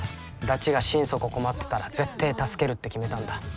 ダチが心底困ってたら絶対助けるって決めたんだ。